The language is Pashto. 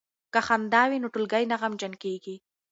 که خندا وي نو ټولګی نه غمجن کیږي.